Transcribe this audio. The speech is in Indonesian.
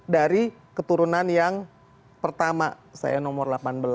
dari keturunan yang pertama saya nomor delapan belas